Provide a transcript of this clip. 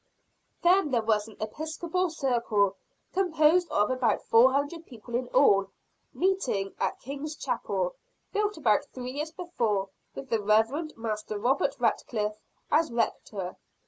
Then there was an Episcopal circle, composed of about four hundred people in all, meeting at King's Chapel, built about three years before, with the Reverend Master Robert Ratcliffe as Rector.